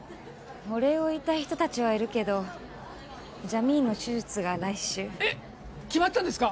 お礼を言いたい人達はいるけどジャミーンの手術が来週えっ決まったんですか？